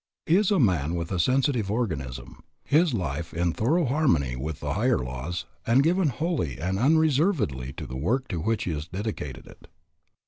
He is a man with a sensitive organism, his life in thorough harmony with the higher laws, and given wholly and unreservedly to the work to which he has dedicated it.